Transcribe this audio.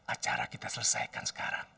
acara kita selesaikan sekarang